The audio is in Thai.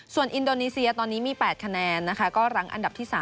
ส่วนอินโดนีเซียตอนนี้มี๘คะแนนนะคะก็รั้งอันดับที่๓